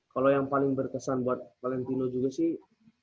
kalau yang paling berkesan buat valentino juga sih